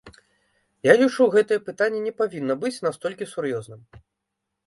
Я лічу, гэтае пытанне не павінна быць настолькі сур'ёзным.